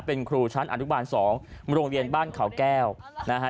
เป็นครูชั้นอนุบาล๒โรงเรียนบ้านเขาแก้วนะฮะ